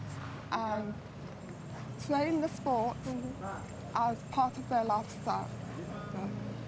dan mengajar sport sebagai bagian dari karya hidup mereka